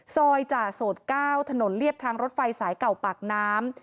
จ่าโสด๙ถนนเรียบทางรถไฟสายเก่าปากน้ำ